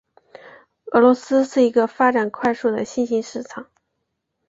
俄罗斯是一个发展快速的新型市场。